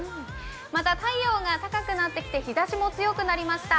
また、太陽が高くなって日ざしも強くなりました。